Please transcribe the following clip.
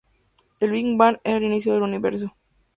El Bigbang era el inicio del universo.